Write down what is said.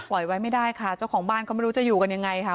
ไว้ไม่ได้ค่ะเจ้าของบ้านก็ไม่รู้จะอยู่กันยังไงค่ะ